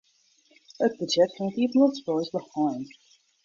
It budzjet fan it iepenloftspul is beheind.